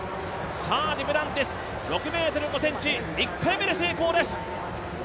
さあデュプランティス、６ｍ５ｃｍ１回目で成功です。